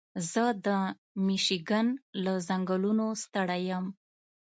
زه د مېشیګن له ځنګلونو ستړی یم.